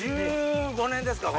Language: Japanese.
１５年ですか？